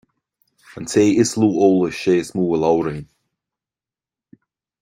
An té is lú eolais is é is mó a labhraíonn